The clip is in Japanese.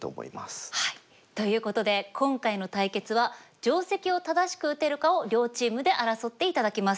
ということで今回の対決は定石を正しく打てるかを両チームで争って頂きます。